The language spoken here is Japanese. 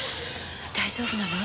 大丈夫なの？